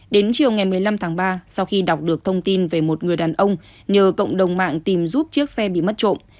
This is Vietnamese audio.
đến chiều ngày một mươi năm tháng ba sau khi đọc được thông tin về một người đàn ông nhờ cộng đồng mạng tìm giúp chiếc xe bị mất trộm